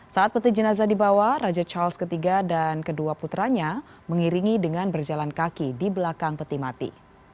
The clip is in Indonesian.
saat peti jenazah dibawa raja charles iii dan kedua putranya mengiringi dengan berjalan kaki di belakang peti mati